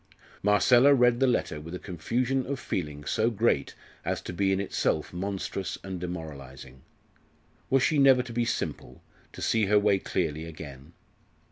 Marcella read the letter with a confusion of feeling so great as to be in itself monstrous and demoralising. Was she never to be simple, to see her way clearly again?